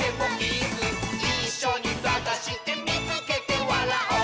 「いっしょにさがしてみつけてわらおう！」